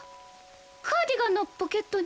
カーディガンのポケットに。